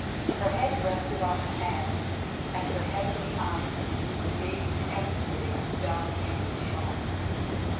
Her head rested on her hand, and her heavenly eyes of blue gazed emptily down the empty Shrine.